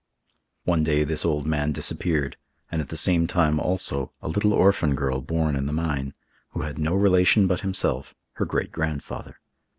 One day this old man disappeared, and at the same time also, a little orphan girl born in the mine, who had no relation but himself, her great grandfather.